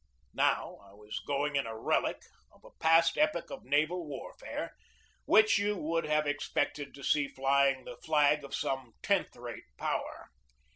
Now I was going in a relic of a past epoch of naval warfare, which you would have expected to see flying the flag of some tenth rate power.